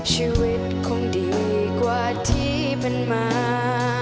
ชีวิตคงดีกว่าที่มันมา